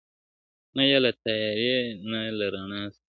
نه یې له تیارې نه له رڼا سره -